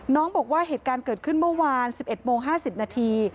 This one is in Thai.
น้องบอกว่าเหตุการณ์เกิดขึ้นเมื่อวานสิบเอ็ดโมงห้าสิบนาที